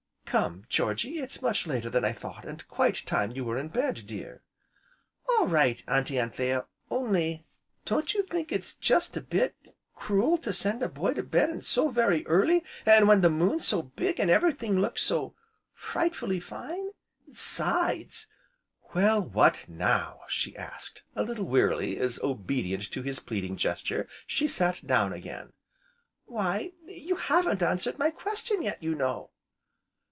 "Come, Georgy, it's much later than I thought, and quite time you were in bed, dear." "All right, Auntie Anthea, only don't you think it's jest a bit cruel to send a boy to bed so very early, an' when the moon's so big, an' everything looks so frightfully fine? 'sides " "Well, what now?" she asked, a little wearily as, obedient to his pleading gesture, she sat down again. "Why, you haven't answered my question yet, you know."